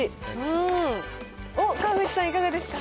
おっ、川口さん、いかがですか？